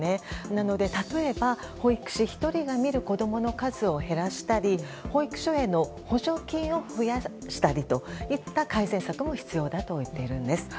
なので例えば、保育士１人が見る子供の数を減らしたり保育所への補助金を増やしたりといった改善策も必要だと言ってるんです。